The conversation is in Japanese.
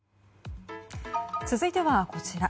続いてはこちら。